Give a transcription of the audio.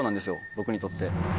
僕にとって。